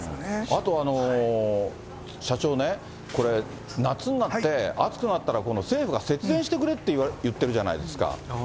あと社長ね、これ、夏になって、暑くなったら政府が節電してくれっていってるじゃないですか。